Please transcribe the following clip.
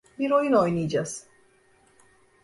Bir oyun oynayacağız.